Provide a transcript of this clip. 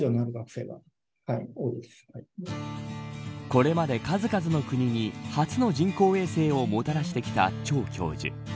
これまで数々の国に初の人工衛星をもたらしてきた趙教授。